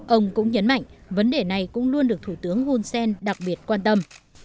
ông cũng nhấn mạnh vấn đề này cũng luôn được thủ tướng hun sen đặc biệt quan tâm